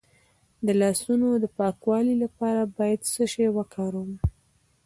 د لاسونو د پاکوالي لپاره باید څه شی وکاروم؟